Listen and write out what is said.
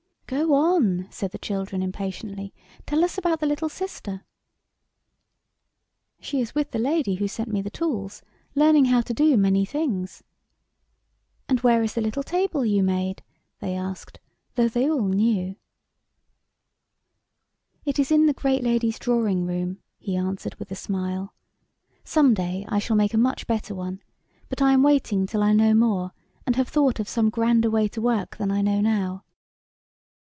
" Go on," said the children, impatiently ;" tell us about the little sister." " She is with the lady who sent me the tools, learning how to do many things." " And where is the little table you made ?" they asked, though they all knew. 52 ANYHOW STORIES. [STOEY "It is in the great lady's drawing room," he answered with a smile. " Some day I shall make a much better one, but I am waiting till I know more, and have thought of some grander way to work than I know now.